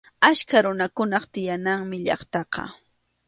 Achka runakunap tiyananmi llaqtaqa.